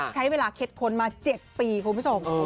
ใช้เวลาเค็ดค้นมา๗ปีคุณผู้ชม